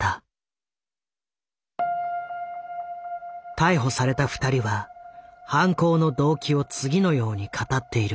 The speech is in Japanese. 逮捕された２人は犯行の動機を次のように語っている。